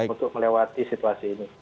untuk melewati situasi ini